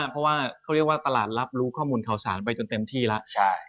เพราะว่าเขาเรียกว่าตลาดรับรู้ข้อมูลข่าวสารไปจนเต็มที่แล้ว